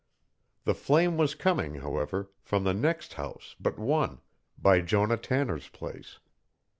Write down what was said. The flame was coming, however, from the house next but one Bijonah Tanner's place.